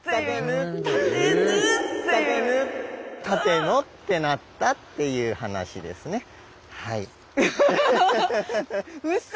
立野ってなったっていう話ですね。